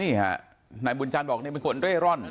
นี่นายบุญชาญบอกนี่เป็นคนเร่ร่อน